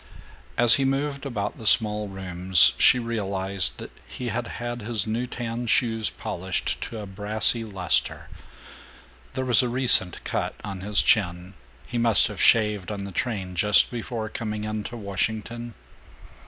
As he moved about the small rooms she realized that he had had his new tan shoes polished to a brassy luster. There was a recent cut on his chin. He must have shaved on the train just before coming into Washington.